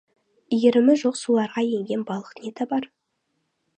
Иірімі жоқ суларға ерген балық не табар?